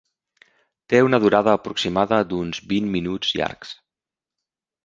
Té una durada aproximada d'uns vint minuts llargs.